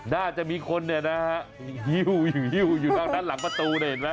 น่าจะมีคนหิ้วอยู่อยู่ด้านหลังประตูน่าเห็นไหม